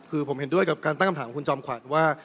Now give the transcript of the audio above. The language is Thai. คือผมเห็นด้วยกับการตั้งคำถามของคุณจอมขวัญว่า